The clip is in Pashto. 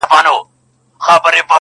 مور چي ژړيږي زوی يې تللی د کلو په سفر,